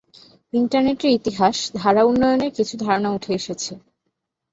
ইন্টারনেটের ইতিহাস ধারা উন্নয়নের কিছু ধারণা উঠে এসেছে।